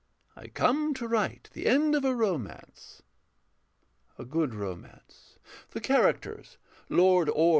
_] I come to write the end of a romance. A good romance: the characters Lord Orm.